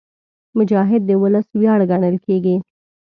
مجاهد د ولس ویاړ ګڼل کېږي.